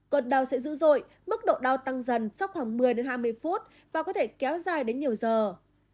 cơn đau sẽ dữ dội mức độ đau tăng dần sau khoảng một mươi đến hai mươi phút và có thể kéo dài đến nhiều giờ